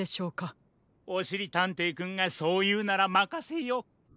おしりたんていくんがそういうならまかせよう。